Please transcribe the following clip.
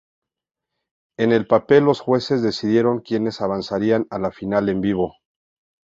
En el panel, los jueces decidieron quienes avanzarían a la final en vivo.